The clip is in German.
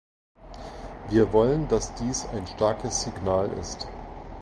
Wir wollen, dass dies ein starkes Signal ist.